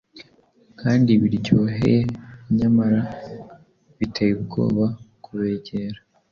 Kandi biryohye nyamara biteye ubwoba kubegera,